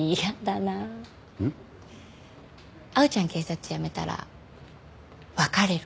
青ちゃん警察辞めたら別れる。